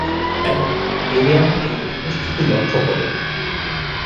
এবং বেরিয়াম এর উপস্থিতি লক্ষ্য করেন।